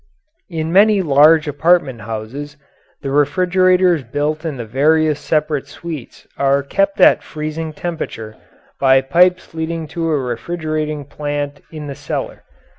In many large apartment houses the refrigerators built in the various separate suites are kept at a freezing temperature by pipes leading to a refrigerating plant in the cellar.